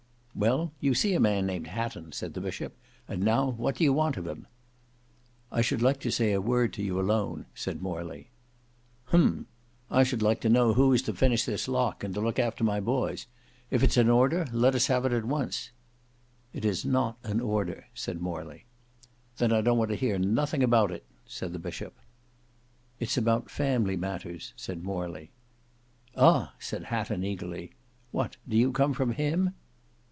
"Well, you see a man named Hatton," said the bishop; "and now what do want of him?" "I should like to say a word to you alone," said Morley. "Hem! I should like to know who is to finish this lock, and to look after my boys! If it's an order, let us have it at once." "It is not an order," said Morley. "Then I don't want to hear nothing about it," said the bishop. "It's about family matters," said Morley. "Ah!" said Hatton, eagerly, "what, do you come from him?"